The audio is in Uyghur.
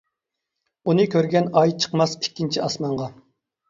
ئۇنى كۆرگەن ئاي چىقماس ئىككىنچى ئاسمانغا.